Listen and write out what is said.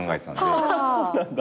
そうなんだ。